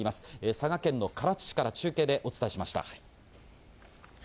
佐賀県の唐津市から中継でお伝えしました。